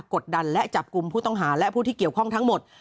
กดดันและจับกลุ่มผู้ต้องหาและผู้ที่เกี่ยวข้องทั้งหมด